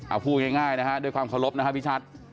เอาพูดง่ายนะฮะด้วยความเคารพนะฮะพี่ชัด